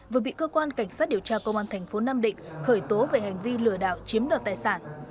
vừa bị cơ quan cảnh sát điều tra công an thành phố nam định khởi tố về hành vi lừa đảo chiếm đoạt tài sản